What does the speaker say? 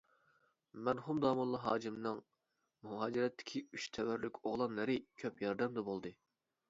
مەرھۇم داموللا ھاجىمنىڭ مۇھاجىرەتتىكى ئۈچ تەۋەررۈك ئوغلانلىرى كۆپ ياردەمدە بولدى .